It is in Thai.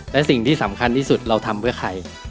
และสิ่งที่สำคัญที่สุดเราทำเพื่อใคร